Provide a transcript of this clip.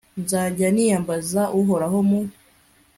nzajya niyambaza uhoraho, mu